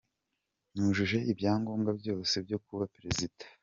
Nujuje ibyangombwa byose byo kuba Perezida”.